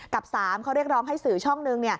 กับ๓เขาเรียกร้องให้สื่อช่องหนึ่ง